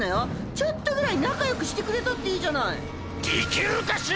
ちょっとぐらい仲良くしてくれたっていいじゃない。